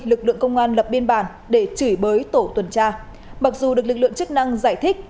lực lượng công an lập biên bản để chửi bới tổ tuần tra mặc dù được lực lượng chức năng giải thích